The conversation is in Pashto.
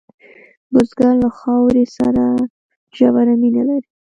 بزګر له خاورې سره ژوره مینه لري